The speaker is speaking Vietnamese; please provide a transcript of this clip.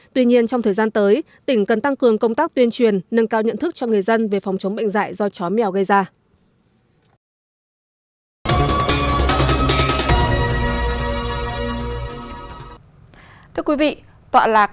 tuy nhiên trong thời gian tới tỉnh cần tăng cường công tác tuyên truyền nâng cao nhận thức cho người dân về phòng chống bệnh dạy do chó mèo gây ra